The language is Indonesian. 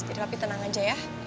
jadi papi tenang aja ya